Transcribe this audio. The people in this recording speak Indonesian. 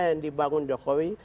yang dibangun jokowi